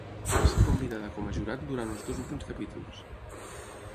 Va ser convidada com a jurat durant els dos últims capítols.